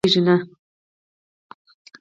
حق اخيستل کيږي، ورکول کيږي نه !!